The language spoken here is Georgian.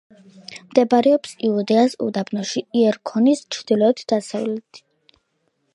მდებარეობს იუდეას უდაბნოში, იერიქონის ჩრდილო-დასავლეთით.